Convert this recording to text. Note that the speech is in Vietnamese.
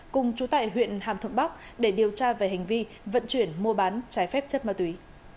cùng chú tại huyện hàm thuận bắc để điều tra về hành vi vận chuyển mua bán trái phép chất ma túy